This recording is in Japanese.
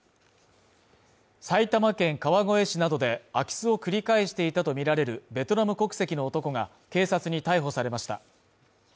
埼玉県川越市などで空き巣を繰り返していたとみられるベトナム国籍の男が警察に逮捕されました。